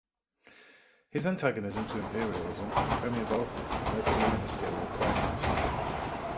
His antagonism to imperialism and Premier Botha led to a ministerial crisis.